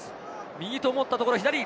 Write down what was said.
右と思ったところ左。